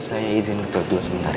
saya izin gitu dulu sebentar ya